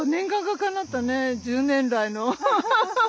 １０年来の。